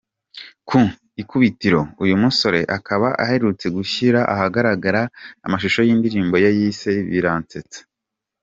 Ku ikubitiro uyu musore akaba aherutse gushyira ahagaragara amashusho y’indirimbo ye yise ‘Biransetsa’.